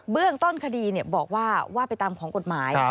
เรื่องต้นคดีบอกว่าว่าไปตามของกฎหมาย